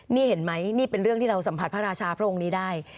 นี่เห็นไหมนี่เป็นเรื่องที่เราสัมผัสพระราชาพระองค์นี้ได้